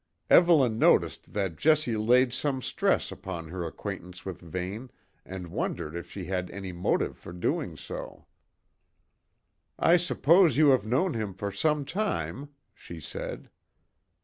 Evelyn noticed that Jessie laid some stress upon her acquaintance with Vane, and wondered if she had any motive for doing so. "I suppose you have known him for some time," she said.